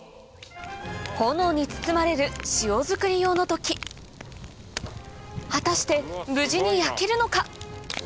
炎に包まれる塩づくり用の土器果たして無事に焼けるのか？